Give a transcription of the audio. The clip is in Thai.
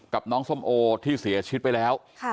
กับน้องส้มโอที่เสียชีวิตไปแล้ว